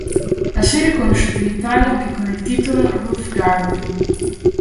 La serie è conosciuta in Italia anche con il titolo Roof Garden.